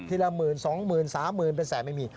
ทีละหมื่นสองหมื่นสามหมื่นเป็นแสนไม่มี